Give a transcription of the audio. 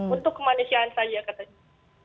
untuk kemanusiaan saja katanya